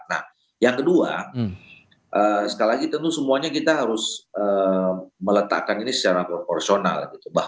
nah yang kedua sekali lagi tentu semuanya kita harus meletakkan ini secara proporsional gitu